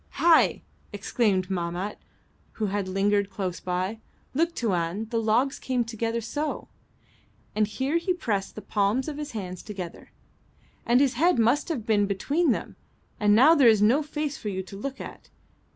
"Hai!" exclaimed Mahmat, who had lingered close by. "Look, Tuan; the logs came together so," and here he pressed the palms of his hands together, "and his head must have been between them, and now there is no face for you to look at.